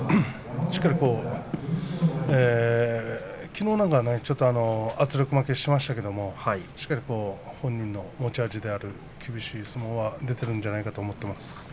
きのうなんかちょっと圧力負けしましたけれどしっかり本人の持ち味である厳しい相撲が出ているんじゃないかと思っています。